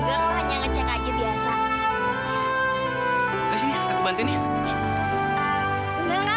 sampai jumpa di video selanjutnya